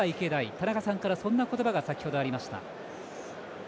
田中さんから、そんな言葉が先ほどありました。